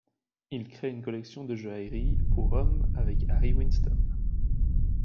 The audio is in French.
Il crée une collection de joaillerie pour homme avec Harry Winston.